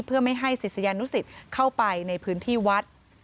เพื่อไม่ให้ศิษยานุสิตเข้าไปในพื้นที่วัด